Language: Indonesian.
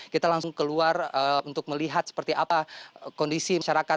kita langsung keluar untuk melihat seperti apa kondisi masyarakat